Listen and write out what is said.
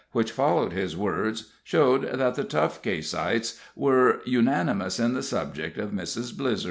which followed his words showed that the Tough Caseites were unanimous on the subject of Mrs. Blizzer.